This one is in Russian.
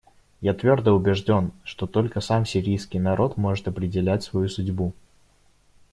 Я твердо убежден, что только сам сирийский народ может определять свою судьбу.